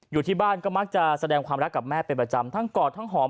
อยู่ที่บ้านก็มักจะแสดงความรักกับแม่เป็นประจำทั้งกอดทั้งหอม